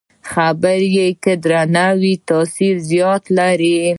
خبرې که درنې وي، تاثیر زیات لري